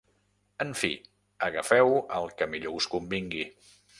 En fi, agafeu el que millor us convingui.